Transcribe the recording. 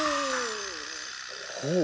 ほう。